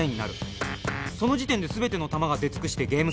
その時点で全ての弾が出尽くしてゲームセット。